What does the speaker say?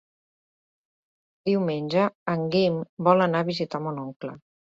Diumenge en Guim vol anar a visitar mon oncle.